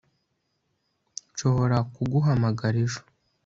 Nshobora kuguhamagara ejo